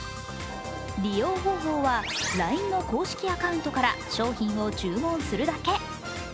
利用方法はＬＩＮＥの公式アカウントから商品を注文するだけ。